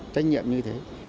trách nhiệm như thế